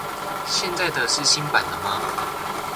現在的是新版了嗎